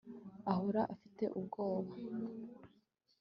ahora afite ubwoba